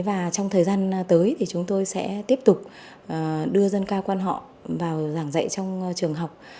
và trong thời gian tới thì chúng tôi sẽ tiếp tục đưa dân ca quan họ vào giảng dạy trong trường học